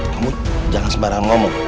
kamu jangan sebarang ngomong